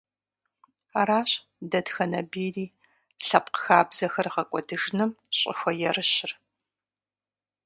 Аращ дэтхэнэ бийри лъэпкъ хабзэхэр гъэкӀуэдыжыным щӀыхуэерыщыр.